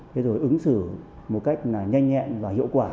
rồi ứng xử một cách nhanh nhẹn và hiệu quả